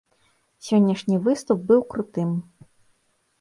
Сённяшні выступ быў крутым.